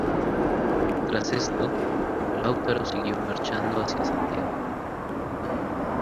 Tras esto, Lautaro siguió marchando hacia Santiago.